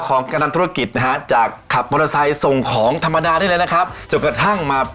ขอบคุณครับคุณพนักพ่อ